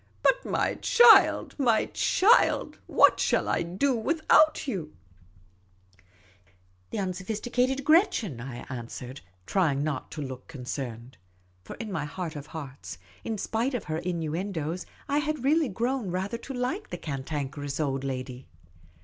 " But, my child, my child, what shall I do without you ?''" The unsophisticated Gretchen," I answered, trying not to look concerned ; for in my heart of hearts, in spite of her innuendoes, I had really grown rather to like the Cantanker ous Old L,ady.